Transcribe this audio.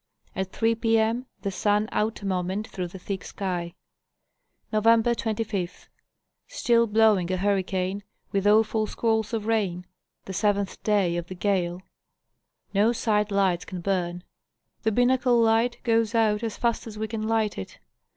At 3p. M., the sun out a moment through the thick sky. Nov. 25: Still blowing a hurricane, with awful squalls of rain ; the seventh day of the gale. No side lights can burn ; the binnacle light goes out as fast as we can light it.